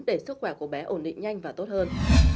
để sức khỏe của bé ổn định nhanh và tốt hơn